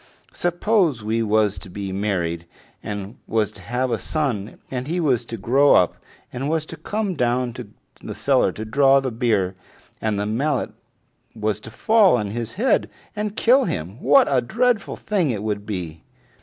Suppose we was to be married, and was to have a son, and he was to grow up, and was to come down to the cellar to draw the beer, and the mallet was to fall on his head and kill him, what a dreadful thing it would be!"